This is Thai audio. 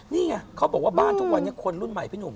นี่ไงเขาบอกว่าบ้านทุกวันนี้คนรุ่นใหม่พี่หนุ่ม